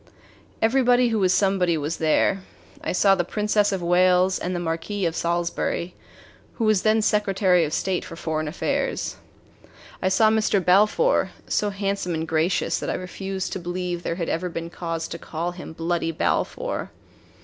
Everybody who was somebody was there. I saw the Princess of Wales and the Marquis of Salisbury, who was then Secretary of State for Foreign Affairs. I saw Mr. Balfour, so handsome and gracious that I refused to believe there had ever been cause to call him "Bloody Balfour."